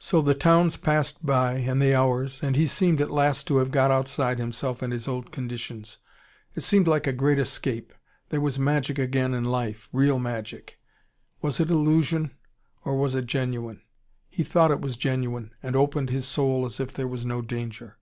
So the towns passed by, and the hours, and he seemed at last to have got outside himself and his old conditions. It seemed like a great escape. There was magic again in life real magic. Was it illusion, or was it genuine? He thought it was genuine, and opened his soul a if there was no danger.